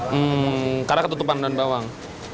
hmm karena ketutupan dan bawang